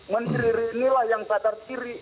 menteri rini lah yang badar kiri